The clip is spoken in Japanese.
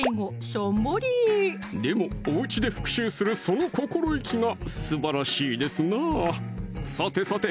しょんぼりでもおうちで復習するその心意気がすばらしいですなさてさて